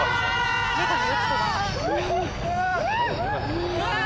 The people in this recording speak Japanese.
うわ！